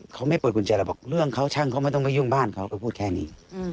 เขาไม่เปิดกุญแจแล้วบอกเรื่องเขาช่างเขาไม่ต้องไปยุ่งบ้านเขาก็พูดแค่นี้